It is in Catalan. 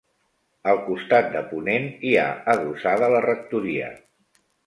Al costat de ponent hi ha adossada la rectoria.